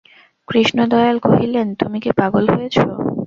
কৃষ্ণদয়াল কহিলেন, তুমি কি পাগল হয়েছ!